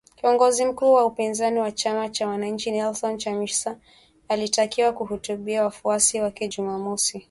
kiongozi mkuu wa upinzani wa chama cha wananchi Nelson Chamisa alitakiwa kuhutubia wafuasi wake Jumamosi